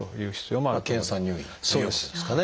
検査入院っていうことですかね。